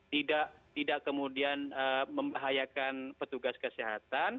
tidak kemudian membahayakan petugas kesehatan